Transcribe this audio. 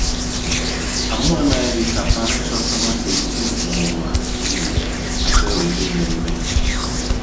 Ammọ emaedikappa esọbọ nte nti mkpọ urua emi afịt owo ekeyemme.